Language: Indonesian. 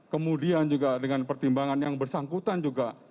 kemudian juga dengan pertimbangan yang bersangkutan juga